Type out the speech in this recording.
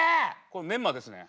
これメンマですね。